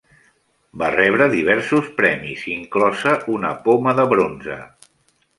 Va rebre diversos premis, inclosa una Poma de Bronze.